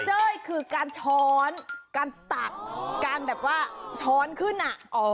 เจ้ยคือการช้อนการตักการแบบว่าช้อนขึ้นอ่ะ